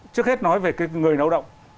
trước hết nói về cái người lao động